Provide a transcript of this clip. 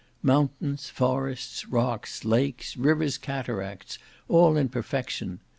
Mountains, forests, rocks, lakes, rivers, cataracts, all in perfection.